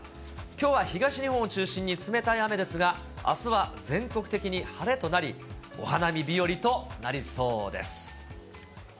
きょうは東日本を中心に冷たい雨ですが、あすは全国的に晴れとなり、お花見日和となりそうです。